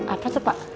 apa tuh pak